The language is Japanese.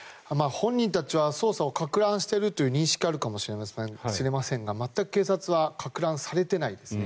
本人たちは捜査をかく乱しているという認識はあるかもしれませんが全く警察はかく乱されてないですね。